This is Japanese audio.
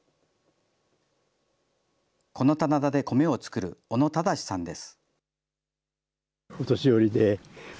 この棚田で米を作る小野忠さんです。